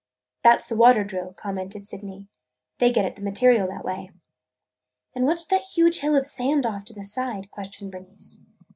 "That 's the water drill," commented Sydney. "They get at the material that way." "And what 's that huge hill of sand off to the side?" questioned Bernice.